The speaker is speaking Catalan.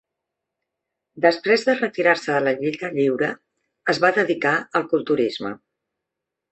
Després de retirar-se de la lluita lliure, es va dedicar al culturisme.